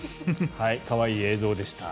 可愛い映像でした。